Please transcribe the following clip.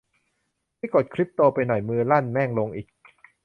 นี่กดคริปโตไปหน่อย มือลั่น แม่งลงอีก